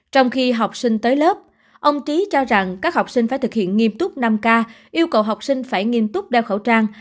trong khi học sinh tới lớp ông trí cho rằng các học sinh phải thực hiện nghiêm túc năm k yêu cầu học sinh phải nghiêm túc đeo khẩu trang